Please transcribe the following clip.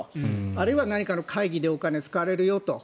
あるいは何かの会議でお金が使われるよと。